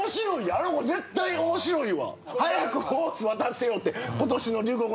あの子絶対面白いわ。